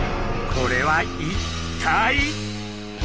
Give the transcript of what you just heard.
これは一体？